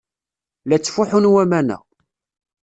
La ttfuḥun waman-a.